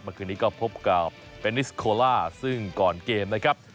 เมื่อคืนนี้ก็พบกับเบนิสโคล่าซึ่งก่อนเกมนะครับ